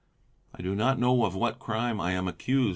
I do not know of what crime I am accused.